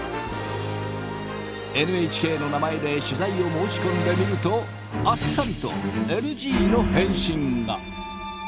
ＮＨＫの名前で取材を申し込んでみるとあっさりとＮＧの返信が。